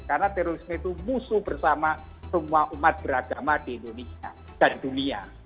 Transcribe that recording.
karena terorisme itu musuh bersama semua umat beragama di indonesia dan dunia